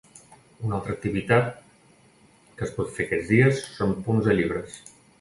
Una altra activitat que es pot fer aquests dies són punts de llibres.